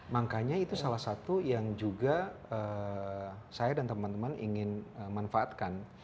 makanya itu salah satu yang juga saya dan teman teman ingin manfaatkan